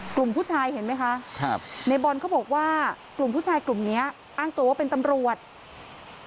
กลุ่มผู้ชายเห็นไหมคะครับในบอลเขาบอกว่ากลุ่มผู้ชายกลุ่มเนี้ยอ้างตัวว่าเป็นตำรวจ